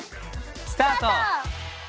スタート！